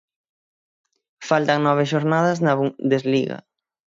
Faltan nove xornadas na Bundesliga.